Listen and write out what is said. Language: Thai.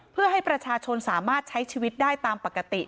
เพื่อให้ประชาชนสามารถใช้ชีวิตได้ตามปกติ